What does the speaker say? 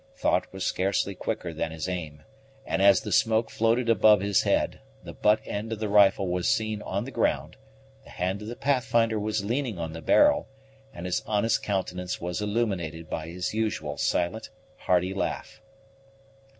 Thought was scarcely quicker than his aim; and, as the smoke floated above his head, the butt end of the rifle was seen on the ground, the hand of the Pathfinder was leaning on the barrel, and his honest countenance was illuminated by his usual silent, hearty laugh.